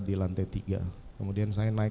di lantai tiga kemudian saya naik